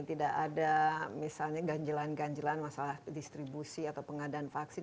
tidak ada misalnya ganjelan ganjelan masalah distribusi atau pengadaan vaksin